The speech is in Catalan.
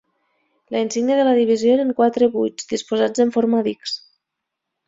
La insígnia de la divisió eren quatre "vuits" disposats en forma d'"X".